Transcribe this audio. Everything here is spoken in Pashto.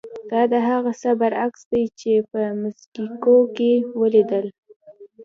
دا د هغه څه برعکس دي چې په مکسیکو کې ولیدل.